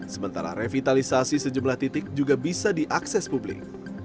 sementara revitalisasi sejumlah titik juga bisa diakses publik